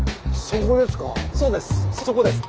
そうですそこです。